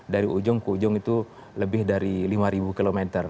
dari ujung ke ujung itu lebih dari lima km